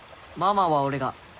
ママは俺が。